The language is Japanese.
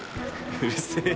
うるせえ。